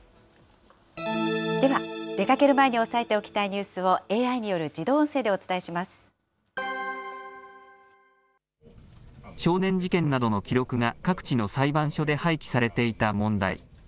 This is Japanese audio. では、出かける前に押さえておきたいニュースをＡＩによる自少年事件などの記録が各地の裁判所で廃棄されていた問題。